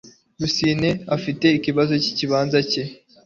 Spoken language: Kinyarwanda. rusine afite ikibazo cy ikibanza cye